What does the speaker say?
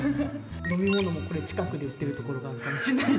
飲み物もこれ近くで売ってる所があるかもしんない。